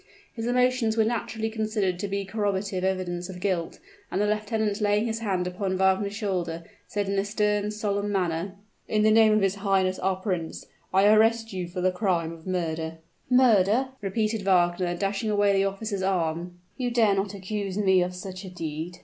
His emotions were naturally considered to be corroborative evidence of guilt: and the lieutenant laying his hand upon Wagner's shoulder, said in a stern, solemn manner, "In the name of his highness our prince, I arrest you for the crime of murder!" "Murder!" repeated Fernand, dashing away the officer's arm; "you dare not accuse me of such a deed!"